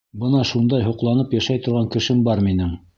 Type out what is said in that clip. Бына шундай һоҡланып йәшәй торған кешем бар минең.